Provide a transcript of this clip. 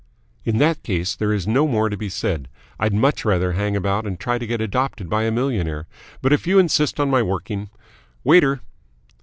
"In that case, there is no more to be said. I'd much rather hang about and try to get adopted by a millionaire, but if you insist on my working Waiter!"